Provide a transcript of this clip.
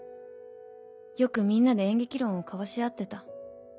よくみんなで演劇論を交わし合ってた。